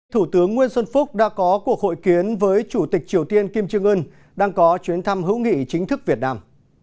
thủ tướng nguyễn xuân phúc đã có cuộc hội kiến với chủ tịch triều tiên kim trương ưn đang có chuyến thăm hữu nghị chính thức việt nam